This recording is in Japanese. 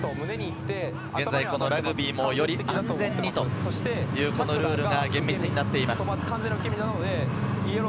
ラグビーもより安全にということで、ルールが厳密になっています。